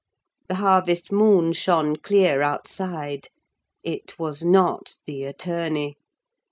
The harvest moon shone clear outside. It was not the attorney.